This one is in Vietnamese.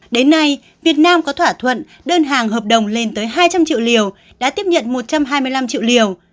đến nay việt nam có thỏa thuận đơn hàng hợp đồng lên tới hai trăm linh triệu liều đã tiếp nhận một trăm hai mươi năm triệu liều